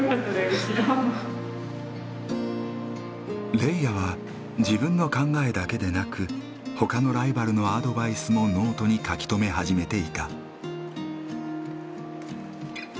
レイヤは自分の考えだけでなくほかのライバルのアドバイスもノートに書き留め始めていた。